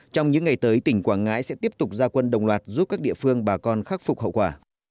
trong những ngày tới tỉnh quảng ngãi sẽ tiếp tục gia quân đồng loạt giúp các địa phương bà con khắc phục hậu quả